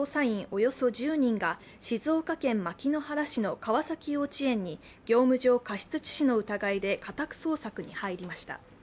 およそ１０人が静岡県牧之原市の川崎幼稚園に業務上過失致死の疑いで家宅捜索に入りました。